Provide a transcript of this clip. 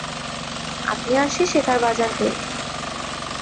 আপনি আর সে সেতার বাজান কই?